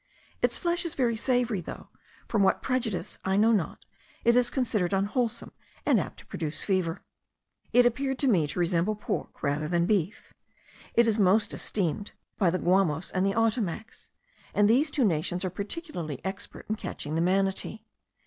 Its flesh is very savoury, though, from what prejudice I know not, it is considered unwholesome and apt to produce fever. It appeared to me to resemble pork rather than beef. It is most esteemed by the Guamos and the Ottomacs; and these two nations are particularly expert in catching the manatee.